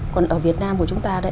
còn ở việt nam của chúng ta